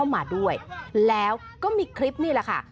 มาด้วยแล้วก็มีคลิปนี่แหละค่ะ